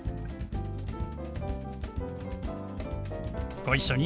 ご一緒に。